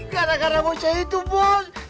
gara gara bocah itu pun